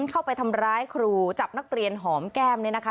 เข้าไปทำร้ายครูจับนักเรียนหอมแก้มเนี่ยนะคะ